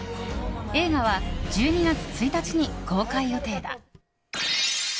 映画は１２月１日に公開予定だ。